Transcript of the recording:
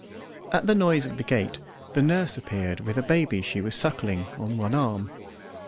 At the noise of the gate the nurse appeared with a baby she was suckling on one arm.